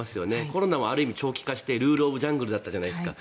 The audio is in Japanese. コロナもある意味、長期化してルール・オブ・ジャングルだったじゃないですか。